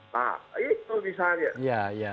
nah itu bisa aja